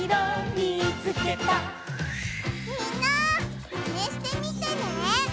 みんなまねしてみてね！